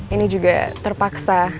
ini juga terpaksa